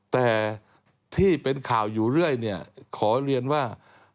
แต่ที่เป็นข่าวอยู่เรื่อยเนี่ยขอเรียนว่า